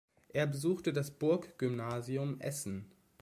Er besuchte das Burggymnasium Essen.